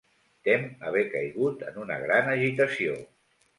Tem haver caigut en una gran agitació.